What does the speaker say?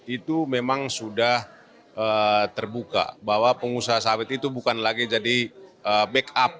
itu memang sudah terbuka bahwa pengusaha sawit itu bukan lagi jadi backup